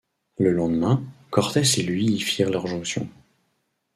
Le lendemain, Cortés et lui y firent leur jonction.